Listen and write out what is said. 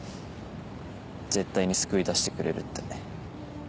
絶対に救い出してくれるって。